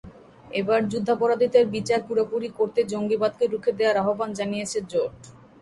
এবার যুদ্ধাপরাধীদের বিচার পুরোপুরি করতে জঙ্গিবাদকে রুখে দেওয়ার আহ্বান জানিয়েছে জোট।